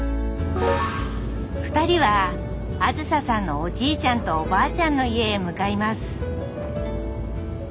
２人はあずささんのおじいちゃんとおばあちゃんの家へ向かいます誰？